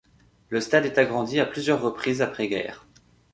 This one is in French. Le stade est agrandi à plusieurs reprises après guerre.